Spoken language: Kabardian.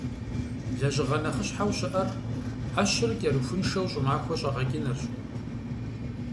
Лэжьыгъэ нэхъыщхьэу щыӀэр Ӏэщыр кӀэрыхуншэу щӀымахуэ щӀэгъэкӀынырщ.